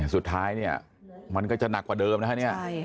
สุดท้ายเนี่ยมันก็จะหนักกว่าเดิมนะฮะเนี่ย